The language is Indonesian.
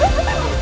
ya gue seneng